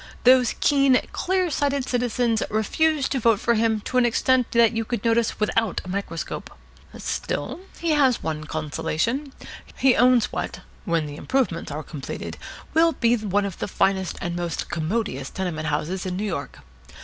Those keen, clear sighted citizens refused to vote for him to an extent that you could notice without a microscope. Still, he has one consolation. He owns what, when the improvements are completed, will be the finest and most commodious tenement houses in New York.